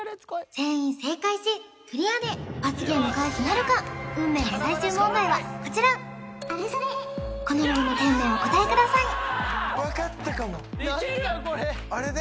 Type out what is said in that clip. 全員正解しクリアで罰ゲーム回避なるか運命の最終問題はこちらこのロゴの店名をお答えください分かったかも何だ